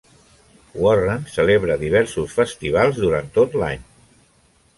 Warren celebra diversos festivals durant tot l'any.